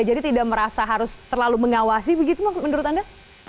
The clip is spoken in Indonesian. jadi tidak merasa harus terlalu mengawasi begitu menurut anda